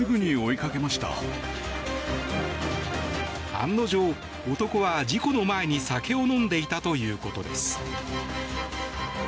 案の定、男は事故の前に酒を飲んでいたということです。